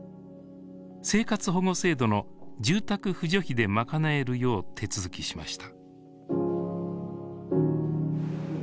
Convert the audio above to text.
生活保護制度の住宅扶助費で賄えるよう手続きしました。